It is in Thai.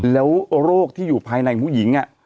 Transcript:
แล้วโรคที่อยู่ภายในผู้หญิง